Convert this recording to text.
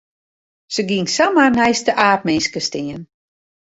Se gyng samar neist de aapminske stean.